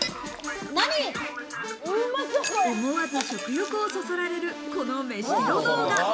思わず食欲をそそられる、この飯テロ動画。